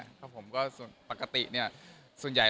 ส่วนใหญ่เราจะเป็นคนให้เนี่ย